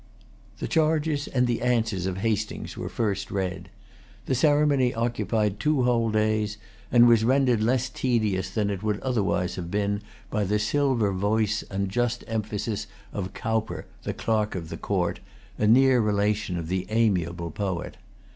The charges and the answers of Hastings were first[Pg 227] read. The ceremony occupied two whole days, and was rendered less tedious than it would otherwise have been by the silver voice and just emphasis of Cowper, the clerk of the court, a near relation of the amiable poet.